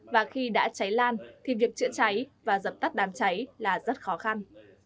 và khi đã cháy lan thì việc chữa cháy và dập tắt đám cháy là rất khó khăn